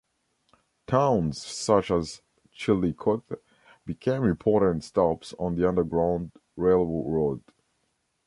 Towns such as Chillicothe became important stops on the Underground Railroad.